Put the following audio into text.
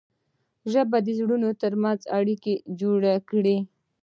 ژبه د زړونو ترمنځ اړیکه جوړه کړي